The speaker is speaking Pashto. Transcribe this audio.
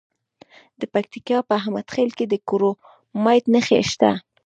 د پکتیا په احمد خیل کې د کرومایټ نښې شته.